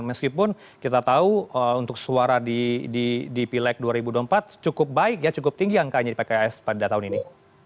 meskipun kita tahu untuk suara di pileg dua ribu dua puluh empat cukup baik ya cukup tinggi angkanya di pks pada tahun ini